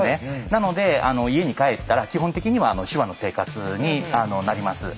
なので家に帰ったら基本的には手話の生活になります。